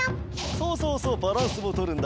そうそうそうバランスもとるんだ。